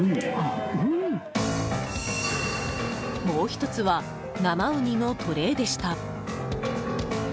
もう１つは生ウニのトレーでした。